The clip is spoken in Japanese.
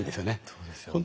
そうですよね。